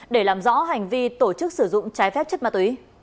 để làm rõ hành vi tổ chức sử dụng trái phép chất mạng